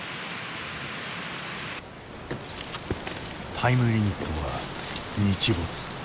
タイムリミットは日没。